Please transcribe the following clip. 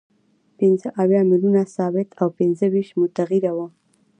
پنځه اویا میلیونه ثابته او پنځه ویشت متغیره وه